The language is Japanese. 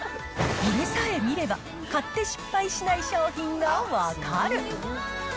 これさえ見れば、買って失敗しない商品が分かる。